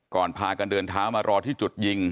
พากันเดินเท้ามารอที่จุดยิง